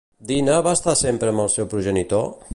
Dina va estar sempre amb el seu progenitor?